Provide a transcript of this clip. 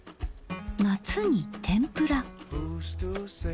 夏に天ぷら。